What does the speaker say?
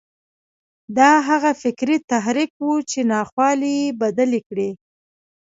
دا هغه فکري تحرک و چې ناخوالې يې بدلې کړې.